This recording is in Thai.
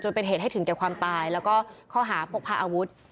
เป็นเหตุให้ถึงแก่ความตายแล้วก็ข้อหาพกพาอาวุธ